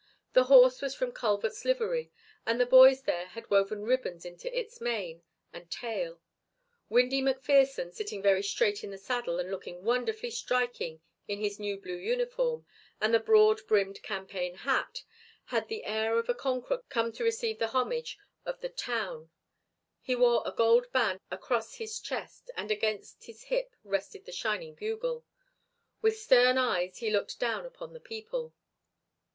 The horse was from Culvert's livery and the boys there had woven ribbons into its mane and tail. Windy McPherson, sitting very straight in the saddle and looking wonderfully striking in the new blue uniform and the broad brimmed campaign hat, had the air of a conqueror come to receive the homage of the town. He wore a gold band across his chest and against his hip rested the shining bugle. With stern eyes he looked down upon the people.